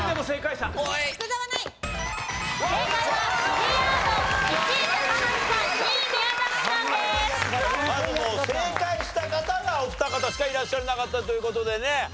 正解した方がお二方しかいらっしゃらなかったという事でね。